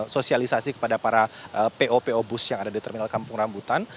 sosialisasi kepada para po po bus yang ada di terminal kampung rambutan